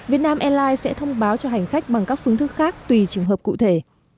vietnam airlines sẽ thông báo cho hành khách bằng các phương thức khác tùy trường hợp cụ thể